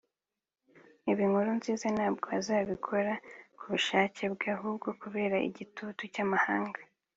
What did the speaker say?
Ibi Nkurunziza ntabwo azabikora ku bushake bwe ahubwo kubera igitutu cy’amahanga